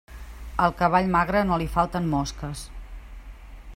Al cavall magre no li falten mosques.